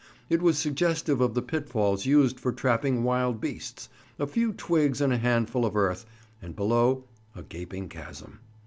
It was suggestive of the pitfalls used for trapping wild beasts—a few twigs and a handful of earth, and below a gaping chasm.